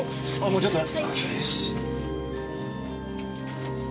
もうちょっと。